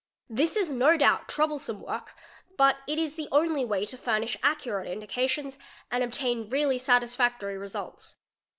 This is no doubt troublesome work, but it is the only way to furnish accurate indications and obtain really satisfactory results.